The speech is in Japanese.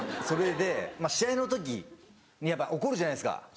それで試合の時にやっぱ怒るじゃないですか。